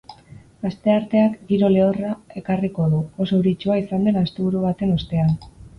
Astearteak giro lehorra ekarriko du, oso euritsua izan den asteburu baten ostean.